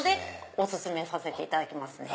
お薦めさせていただきますね。